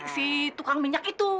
si tukang minyak itu